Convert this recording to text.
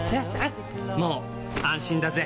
もう安心だぜ！